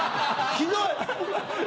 ひどい！